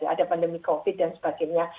ada pandemi covid dan sebagainya